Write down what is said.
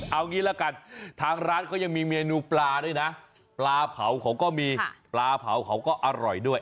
เอางี้ละกันทางร้านเขายังมีเมนูปลาด้วยนะปลาเผาเขาก็มีปลาเผาเขาก็อร่อยด้วย